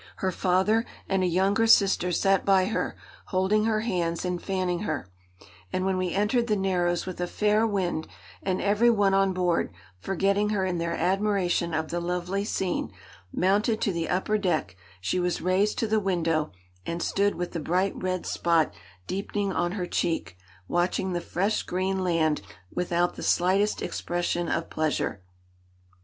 Her father, and a younger sister, sat by her, holding her hands and fanning her; and when we entered the Narrows with a fair wind, and every one on board, forgetting her in their admiration of the lovely scene, mounted to the upper deck, she was raised to the window, and stood with the bright red spot deepening on her cheek, watching the fresh green land without the slightest expression of pleasure.